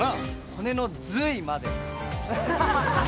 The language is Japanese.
骨の髄まで。